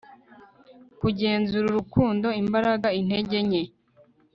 kugenzura, urukundo, imbaraga, intege nke